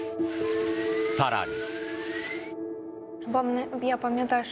更に。